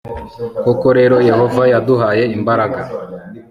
koko rero yehova yaduhaye imbaraga